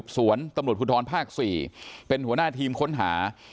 สวนตำรวจภูทรภาค๔เป็นหัวหน้าทีมค้นหา